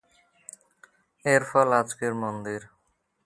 এর ফল আজকের মন্দির।